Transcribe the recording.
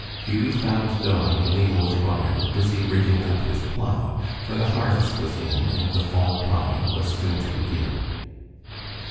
Hughie found Don in the old barn, busy "rigging up" his plow, for the harvest was in and the fall plowing was soon to begin.